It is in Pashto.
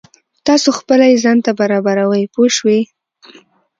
تاسو خپله یې ځان ته برابروئ پوه شوې!.